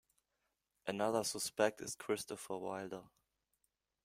Another suspect is Christopher Wilder.